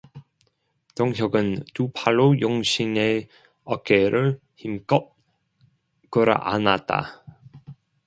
동혁은 두 팔로 영신의 어깨를 힘껏 끌어안았다.